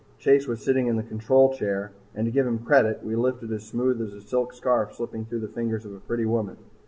Chase was sitting in the control chair, and to give him credit, we lifted as smooth as a silk scarf slipping through the fingers of a pretty woman.